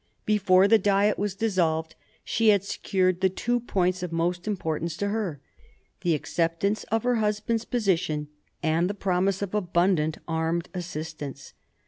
Before the Diet was dissolved she had secured the two points of most importance to her, — the acceptance of her husband's position, and the promise of abundant armed assistance.